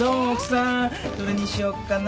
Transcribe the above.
どれにしよっかな。